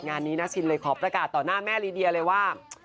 งานนี้นาชินเลยขอประกาศต่อหน้าแม่ลีเดียเลยว่า